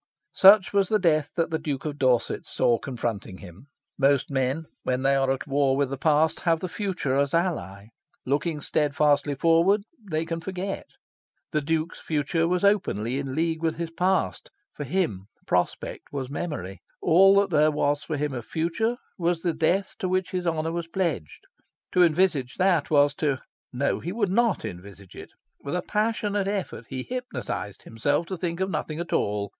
Such was the death that the Duke of Dorset saw confronting him. Most men, when they are at war with the past, have the future as ally. Looking steadfastly forward, they can forget. The Duke's future was openly in league with his past. For him, prospect was memory. All that there was for him of future was the death to which his honour was pledged. To envisage that was to... no, he would NOT envisage it! With a passionate effort he hypnotised himself to think of nothing at all.